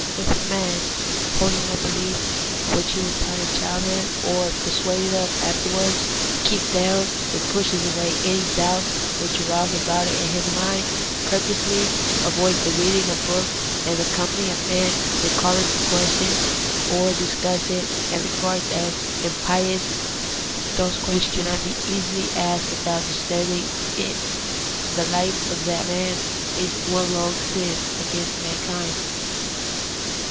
If a man, holding a belief which he was taught in childhood or persuaded of afterwards, keeps down and pushes away any doubts which arise about it in his mind, purposely avoids the reading of books and the THE ETHICS OF BELIEF. 187 company of men that call in question or discuss it, and regards as impious those questions which cannot easily be asked without disturbing it — the life of that man is one long sin against mankind.